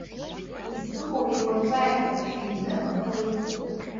Исымоу еикәанҵәааит ҳәа дшәины, амхы лаиҵон.